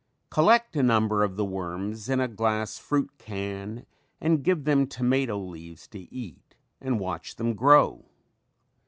Collect a number of the worms in a glass fruit can and give them tomato leaves to eat and watch them grow.